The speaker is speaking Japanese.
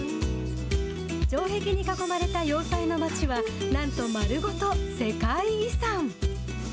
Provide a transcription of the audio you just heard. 城壁に囲まれた要塞の街は、なんとまるごと世界遺産。